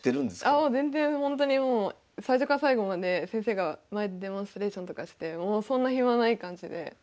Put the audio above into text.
あもう全然ほんとにもう最初から最後まで先生が前でデモンストレーションとかしてそんな暇ない感じで。